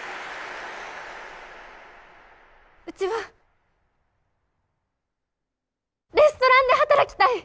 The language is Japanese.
うちはレストランで働きたい！